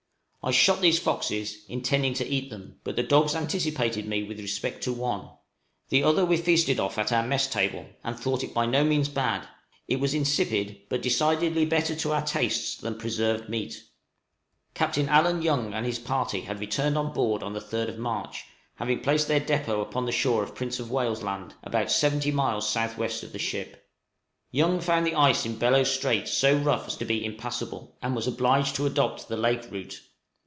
I shot these foxes, intending to eat them; but the dogs anticipated me with respect to one; the other we feasted off at our mess table, and thought it by no means bad; it was insipid, but decidedly better to our tastes than preserved meat. {CAPTAIN YOUNG'S JOURNEY.} Captain Allen Young and his party had returned on board on the 3rd of March, having placed their depôt upon the shore of Prince of Wales' Land, about 70 miles S.W. of the ship. Young found the ice in Bellot Strait so rough as to be impassable, and was obliged to adopt the lake route.